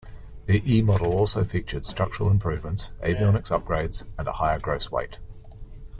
The E model also featured structural improvements, avionics upgrades and a higher gross weight.